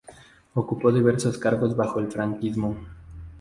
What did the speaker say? Ocupó diversos cargos bajo el franquismo.